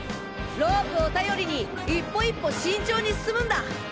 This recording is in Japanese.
ロープを頼りに１歩１歩慎重に進むんだ。